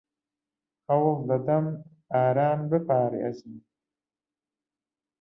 ھەوڵ دەدەم ئاران بپارێزم.